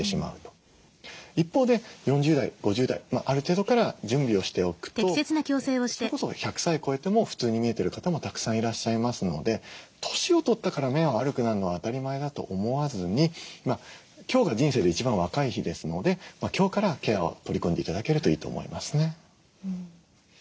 一方で４０代５０代ある程度から準備をしておくとそれこそ１００歳超えても普通に見えてる方もたくさんいらっしゃいますので年を取ったから目は悪くなるのは当たり前だと思わずに今日が人生で一番若い日ですので今日からケアを取り組んで頂けるといいと思いますね。